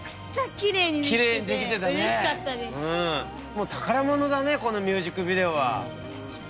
もう宝物だねこのミュージックビデオは。